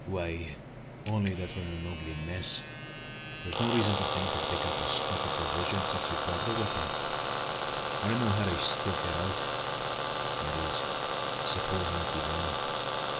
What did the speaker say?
"Why, only that we're in an ugly mess. There's no reason to think they have picked up a stock o' provisions, since we parted wi' them. I don't know how they've stuck it out, that is, supposin' it be them.